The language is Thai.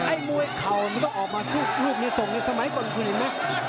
ไอ้มวยเข่ามันต้องออกมาสู้กรูปนี้ส่งในสมัยก่อนคุณเห็นมั้ย